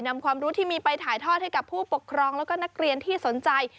ความรู้ที่มีไปถ่ายทอดให้กับผู้ปกครองแล้วก็นักเรียนที่สนใจ